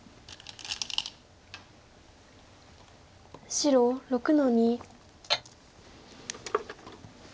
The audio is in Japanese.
白６の二。